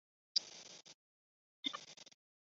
罗马统治时期塞浦路斯经济十分繁荣。